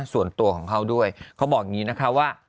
ส่วนตัวของเขาด้วยเขาบอกอย่างนี้นะคะว่า